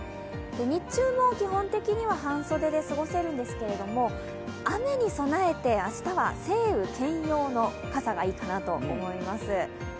日中も基本的には半袖で過ごせるんですけれども、雨に備えて明日は晴雨兼用の傘がいいかなと思います。